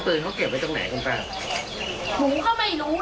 เขี่ยงอยู่อะคะ